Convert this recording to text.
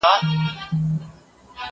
زه اوږده وخت کتابتوننۍ سره تېرووم،